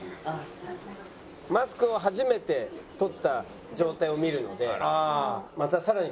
マスクを初めて取った状態を見るので。